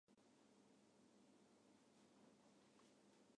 を―あ